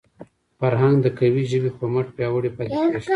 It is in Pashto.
فرهنګ د قوي ژبي په مټ پیاوړی پاتې کېږي.